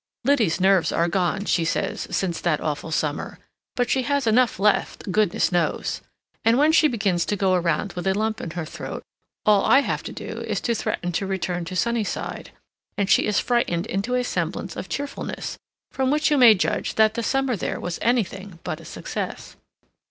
Liddy's nerves are gone, she says, since that awful summer, but she has enough left, goodness knows! And when she begins to go around with a lump in her throat, all I have to do is to threaten to return to Sunnyside, and she is frightened into a semblance of cheerfulness,—from which you may judge that the summer there was anything but a success.